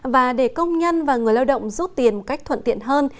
và để công nhân và người lao động rút tiền một cách thuận tiện hơn